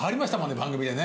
番組でね。